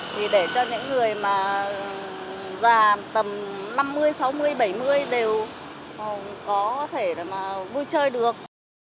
thì để cho những người mà già tầm năm mươi sáu mươi bảy mươi đều có thể mà vui chơi được